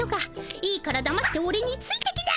いいからだまってオレについてきな。